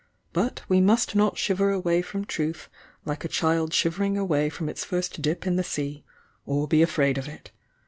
— but we must not shiver sway from truth like a child shivering away from its first dip in the se», or be afraid of it.